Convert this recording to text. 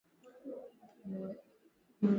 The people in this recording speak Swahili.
Moroko Sahara ya Magharibi Mauretania Mali Niger